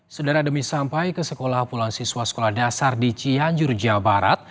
saudara demi sampai ke sekolah puluhan siswa sekolah dasar di cianjur jawa barat